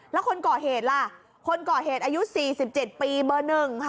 และคนก่อเหตุคืออายุ๔๗ปีเบอร์๑